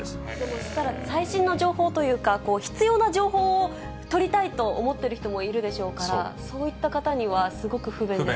そしたら、最新の情報というか、必要な情報を取りたいと思っている人もいるでしょうから、そういった方にはすごく不便ですよね。